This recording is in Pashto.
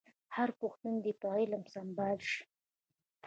هر پښتون دي په علم سمبال شي.